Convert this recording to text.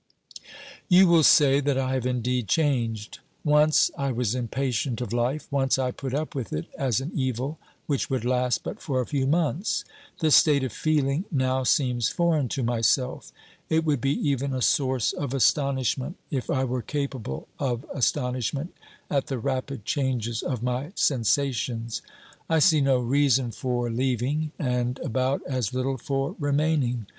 You will say that I have indeed changed. Once I was impatient of life ; once I put up with it as an evil which would last but for a few months. This state of feeling now seems foreign to myself; it would be even a source of astonishment, if I were capable of astonishment at the rapid changes of my sensations. I see no reason for leaving, and about as little for remaining.